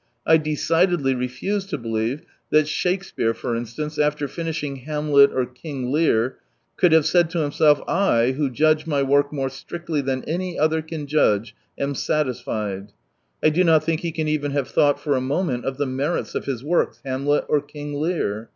I decidedly refuse to believe that Shakespeare, for instance, after finishing Hamlet or King Lear could have said to himself :" I, who judgq my work more strictly than any other can judge, am satisfied." I do not think he can even have thought for a moment of the merits of his works, Hamlet or King Lear.